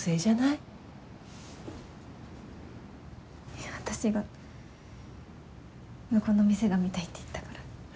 いや私が向こうの店が見たいって言ったから。